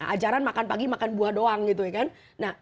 ajaran makan pagi makan buah doang gitu ya kan